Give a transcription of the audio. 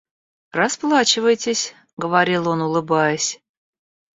Расплачивайтесь, — говорил он улыбаясь.